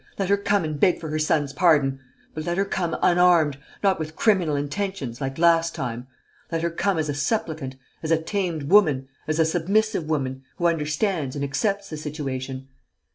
Let her come and beg for her son's pardon! But let her come unarmed, not with criminal intentions, like last time! Let her come as a supplicant, as a tamed woman, as a submissive woman, who understands and accepts the situation